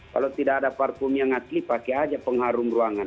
kalau tidak ada parfum yang asli pakai aja pengharum ruangan